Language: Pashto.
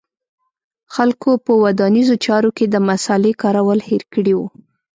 خلکو په ودانیزو چارو کې د مصالې کارول هېر کړي و